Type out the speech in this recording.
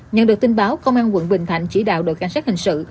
nhận được tin báo công an quận bình thạnh chỉ đạo đội cảnh sát hình sự